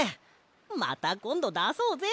またこんどだそうぜ！